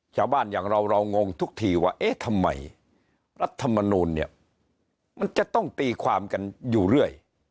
อย่างเราเรางงทุกทีว่าเอ๊ะทำไมรัฐมนูลเนี่ยมันจะต้องตีความกันอยู่เรื่อย